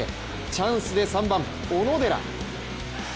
チャンスで３番・小野寺。